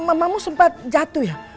mamamu sempat jatuh ya